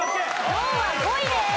ゾウは５位です。